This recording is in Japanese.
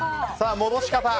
戻し方。